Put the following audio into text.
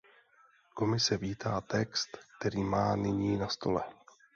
Komise vítá text, který máme nyní na stole.